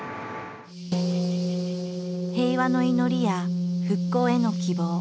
平和の祈りや復興への希望。